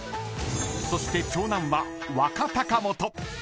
［そして長男は若隆元］